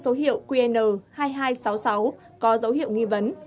số hiệu qn hai nghìn hai trăm sáu mươi sáu có dấu hiệu nghi vấn